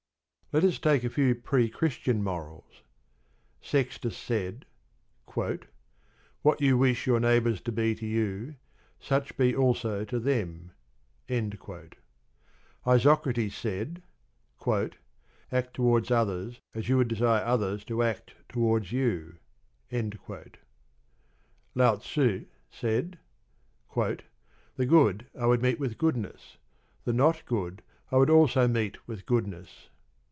Let us take a few pre Christian morals. Sextus said: "What you wish your neighbours to be to you, such be also to them." Isocrates said: "Act towards others as you desire others to act towards you." Lao tze said: "The good I would meet with goodness, the not good I would also meet with goodness."